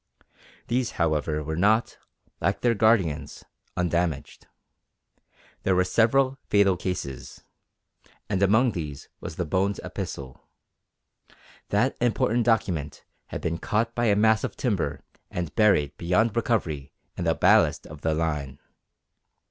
These however were not, like their guardians, undamaged. There were several fatal cases, and among these was the Bones epistle. That important document had been caught by a mass of timber and buried beyond recovery in the ballast of the line.